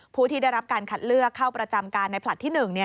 ผู้ที่ได้รับการคัดเลือกเข้าประจำการในผลัดที่๑